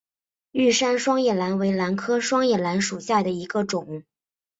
玉山双叶兰为兰科双叶兰属下的一个种。